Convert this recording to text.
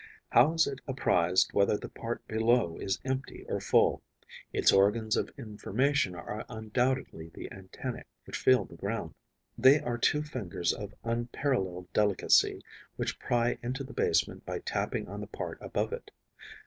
How is it apprised whether the part below is empty or full? Its organs of information are undoubtedly the antennae, which feel the ground. They are two fingers of unparalleled delicacy, which pry into the basement by tapping on the part above it.